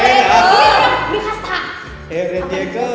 เอเวรเยคเกอร์